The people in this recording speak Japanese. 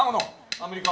アメリカ。